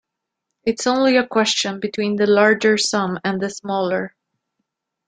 It's only a question between the larger sum and the smaller.